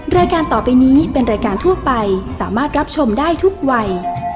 รายการต่อไปนี้เป็นรายการทั่วไปสามารถรับชมได้ทุกวัย